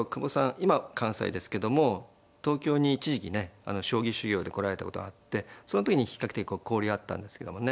今関西ですけども東京に一時期ね将棋修業で来られたことがあってその時に比較的交流あったんですけどもね